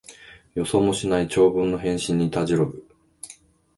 予想もしない長文の返信にたじろぐ